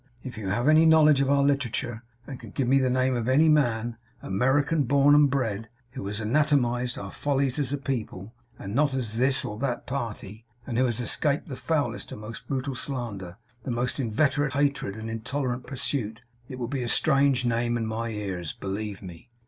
If you have any knowledge of our literature, and can give me the name of any man, American born and bred, who has anatomized our follies as a people, and not as this or that party; and who has escaped the foulest and most brutal slander, the most inveterate hatred and intolerant pursuit; it will be a strange name in my ears, believe me.